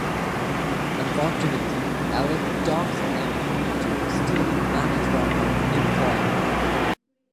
Unfortunately, Alec talks Emily into stealing money from her employer.